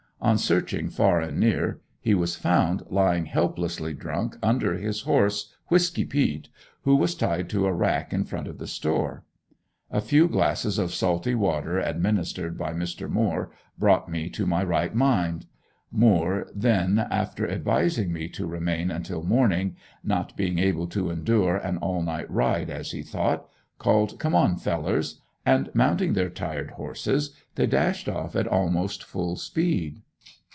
On searching far and near he was found lying helplessly drunk under his horse, Whisky peet who was tied to a rack in front of the store. A few glasses of salty water administered by Mr. Moore brought me to my right mind. Moore then after advising me to remain until morning, not being able to endure an all night ride as he thought, called, "come on, fellers!" And mounting their tired horses they dashed off at almost full speed.